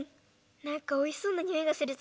なんかおいしそうなにおいがするぞ。